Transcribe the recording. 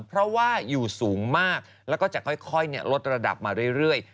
เพราะว่าอยู่สูงมากแล้วก็จะค่อยลดระดับมาเรื่อย